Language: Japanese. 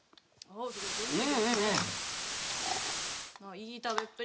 いい食べっぷり。